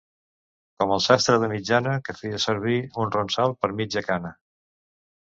Com el sastre de mitjana, que feia servir un ronsal per mitja cana.